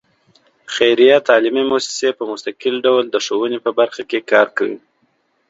خیریه تعلیمي مؤسسې په مستقل ډول د ښوونې په برخه کې کار کوي.